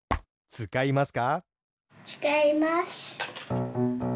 つかいます。